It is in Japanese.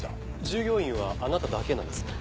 従業員はあなただけなんですね。